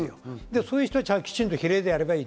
そういう人たちはきちんと比例でやればいい。